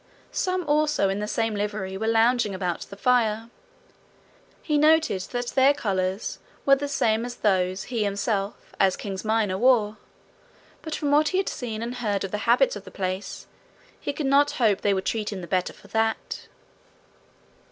Some also in the same livery were lounging about the fire. He noted that their colours were the same as those he himself, as king's miner, wore; but from what he had seen and heard of the habits of the place, he could not hope they would treat him the better for that.